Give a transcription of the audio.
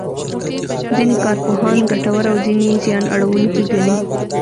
ځینې کارپوهان یې ګټوره او ځینې یې زیان اړوونکې ګڼي.